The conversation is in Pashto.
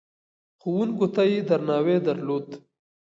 ښوونکو ته يې درناوی درلود.